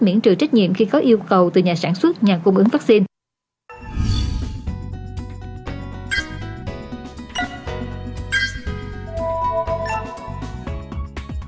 miễn trừ trách nhiệm khi có yêu cầu từ nhà sản xuất nhà cung ứng vaccine